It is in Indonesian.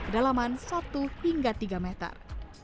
kedalaman satu hingga tiga meter